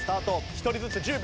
１人ずつ１０秒。